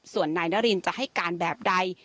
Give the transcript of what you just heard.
ส่วนนายนารินจะให้การแบบใด